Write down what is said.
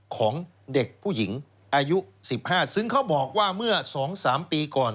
เขาบอกว่าเมื่อ๒๓ปีก่อน